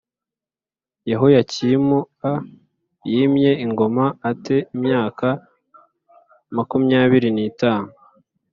Yehoyakimu l yimye ingoma a te imyaka makumyabiri n itanu